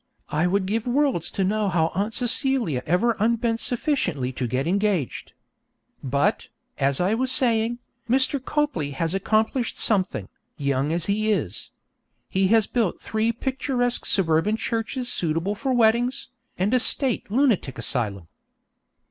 I would give worlds to know how Aunt Celia ever unbent sufficiently to get engaged. But, as I was saying, Mr. Copley has accomplished something, young as he is. He has built three picturesque suburban churches suitable for weddings, and a State lunatic asylum.